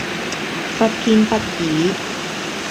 不偏不倚